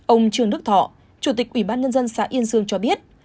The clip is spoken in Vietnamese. ông trương đức thọ chủ tịch ủy ban nhân dân xã yên dương cho biết